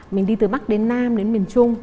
mình đi từ bắc đến nam đến miền trung